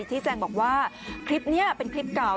ชี้แจงบอกว่าคลิปนี้เป็นคลิปเก่า